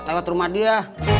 lewat rumah dia